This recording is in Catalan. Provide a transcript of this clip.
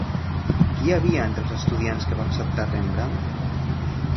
Qui hi havia entre els estudiants que va acceptar Rembrandt?